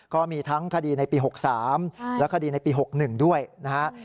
ก็มีทั้งคดีในปี๖๓และคดีในปี๖๑ด้วยนะฮะ